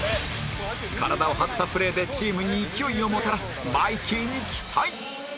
体を張ったプレーでチームに勢いをもたらすマイキーに期待！